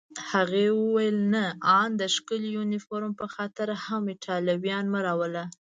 هغې وویل: نه، آن د ښکلي یونیفورم په خاطر هم ایټالویان مه راوله.